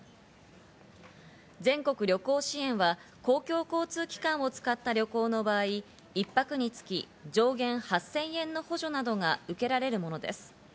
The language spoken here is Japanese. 全国旅行支援は公共交通機関を使った旅行の場合、一泊につき上限８０００円の補助などが受けられるものです。